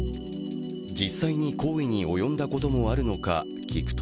実際に行為に及んだこともあるのか聞くと